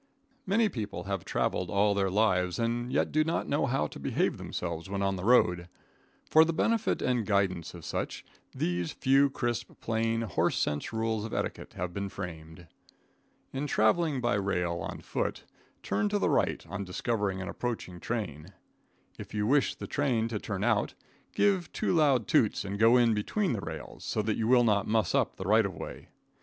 Many people have traveled all their lives and yet do not know how to behave themselves when on the road. For the benefit and guidance of such, these few crisp, plain, horse sense rules of etiquette have been framed. In traveling by rail on foot, turn to the right on discovering an approaching train. If you wish the train to turn out, give two loud toots and get in between the rails, so that you will not muss up the right of way.